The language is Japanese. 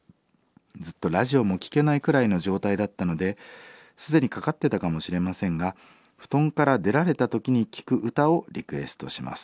ずっとラジオも聴けないくらいの状態だったので既にかかってたかもしれませんが布団から出られた時に聴く歌をリクエストします」。